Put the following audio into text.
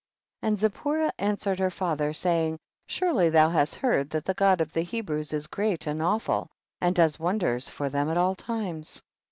And Zipporah answered her father, saying, surely thou hast heard that the God of the Hebrews is great and awful, and does wonders for them at all times.